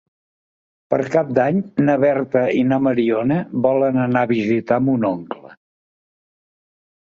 Per Cap d'Any na Berta i na Mariona volen anar a visitar mon oncle.